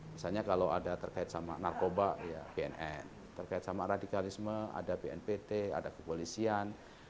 misalnya kalau ada terkait sama narkoba ya bnn terkait sama radikalisme ada bnpt ada kepolisian